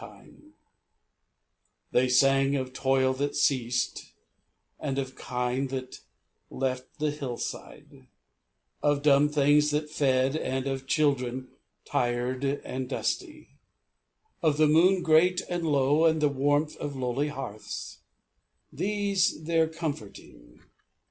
83 NIGHT IN HEAVEN They sang of toil that ceased, and of kine that left the hillside, Of dumb things that fed, and of children tired and dusty, Of the moon great and low, and the warmth of lowly hearths — These, and their comforting.